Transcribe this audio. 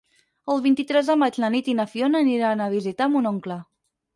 El vint-i-tres de maig na Nit i na Fiona aniran a visitar mon oncle.